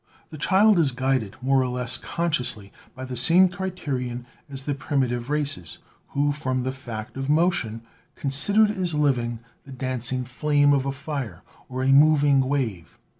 The child is guided more or less con sciously by the same criterion as the primitive races, who, from the fact of motion, considered as living the dancing 12 BIOLOGY flame of a fire or a moving wave.